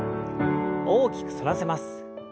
大きく反らせます。